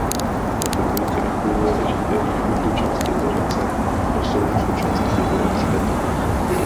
Tato dvojice vrcholů leží ve východní části rezervace a jsou součástí jednoho hřbetu.